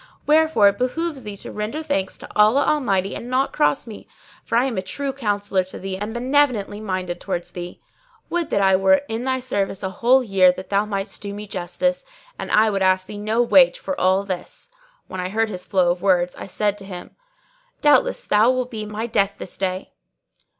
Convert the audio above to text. Wherefore it behoveth thee to render thanks to Allah Almighty and not cross me, for I am a true counsellor to thee and benevolently minded towards thee. Would that I were in thy service a whole year that thou mightest do me justice; and I would ask thee no wage for all this." When I heard his flow of words, I said to him, "Doubtless thou wilt be my death this day!"